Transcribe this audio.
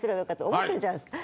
思ってるじゃないですか。